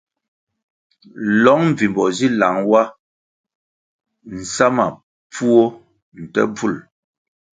Lõng mbvimbo zi lang wa nsa ma pfuó nte bvul.